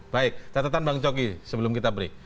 baik catatan bang coki sebelum kita break